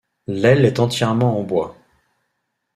L'aile est entièrement en bois.